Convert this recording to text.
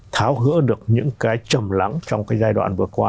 tháo gỡ được những cái trầm lắng trong cái giai đoạn vừa qua